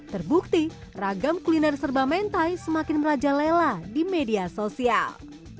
terbukti ragam kuliner serba mentai semakin merajalela di media sosial